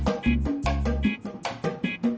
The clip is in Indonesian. jengan taruh daun